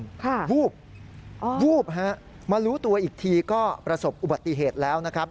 วูบอ๋อวูบฮะมารู้ตัวอีกทีก็ประสบอุบัติเหตุแล้วนะครับ